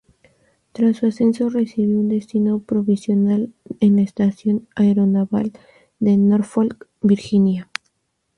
Tras su ascenso, recibió un destino provisional en la Estación Aeronaval de Norfolk, Virginia.